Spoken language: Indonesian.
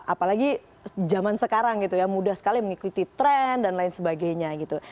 apalagi zaman sekarang gitu ya mudah sekali mengikuti tren dan lain sebagainya gitu